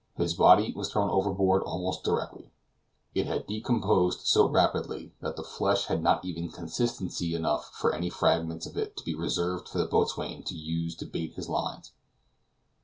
His body was thrown overboard almost directly, it had decomposed so rapidly that the flesh had not even consistency enough for any fragments of it to be reserved for the boatswain to use to bait his lines.